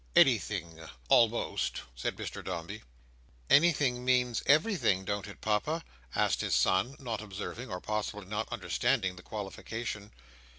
Anything—almost," said Mr Dombey. "Anything means everything, don't it, Papa?" asked his son: not observing, or possibly not understanding, the qualification.